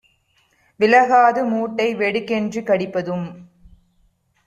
விலகாது மூட்டை வெடுக்கென்று கடிப்பதும்